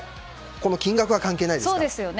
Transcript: この金額は関係ないですから。